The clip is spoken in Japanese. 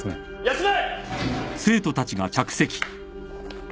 休め！